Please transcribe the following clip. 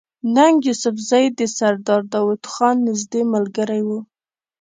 ننګ يوسفزۍ د سردار داود خان نزدې ملګری وو